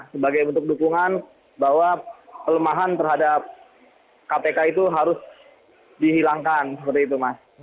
sebagai bentuk dukungan bahwa pelemahan terhadap kpk itu harus dihilangkan seperti itu mas